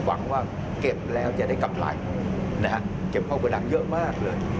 หวังว่าเก็บแล้วจะได้กำไรเก็บข้าวโปรดักต์เยอะมากเลย